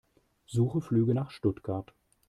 Suche Flüge nach Stuttgart.